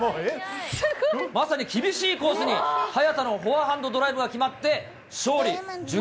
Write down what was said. まさに厳しいコースに、早田のフォアハンドドライブが決まって勝利。